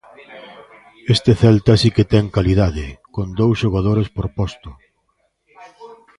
Este Celta si que ten calidade, con dous xogadores por posto.